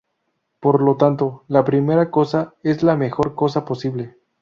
Por lo tanto, la primera cosa es la mejor cosa posible.